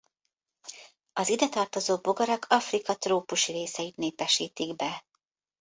Az idetartozó bogarak Afrika trópusi részeit népesítik be.